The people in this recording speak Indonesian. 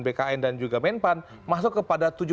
bkn dan juga menpan masuk kepada